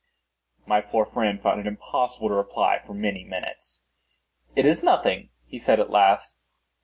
My poor friend found it impossible to reply for many minutes. "It is nothing," he said, at last.